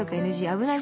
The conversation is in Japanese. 危ない